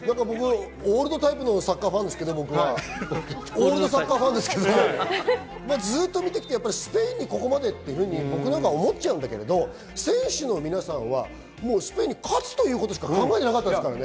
オールドタイプのサッカーファンですけど、ずっと見てきてスペインにここまでと僕なんか思っちゃうんだけど、選手の皆さんはスペインに勝つということしか考えてなかったですからね。